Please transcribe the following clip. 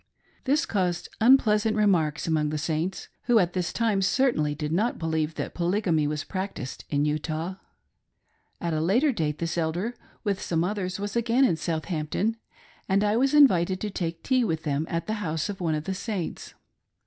This caused un pleasant remarks among the Saints, who at this time cer tainly did not believe that polygamy was practiced in Utah. At a later date this Elder, with some others, was again in Southampton, and I was invited to take tea with them at the house of one of the Saints.